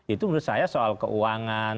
itu menurut saya soal keuangan